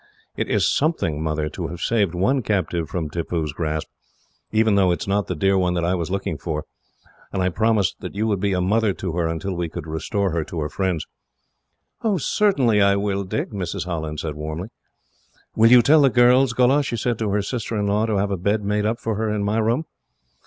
"It is something, Mother, to have saved one captive from Tippoo's grasp, even though it is not the dear one that I was looking for; and I promised that you would be a mother to her, until we could restore her to her friends." "Certainly I will, Dick," Mrs. Holland said warmly. "Will you tell the girls, Gholla," she said to her sister in law, "to have a bed made up for her, in my room?"